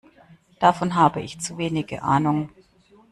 Davon habe ich zu wenige Ahnung.